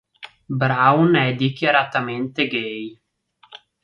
Brown è dichiaratamente gay.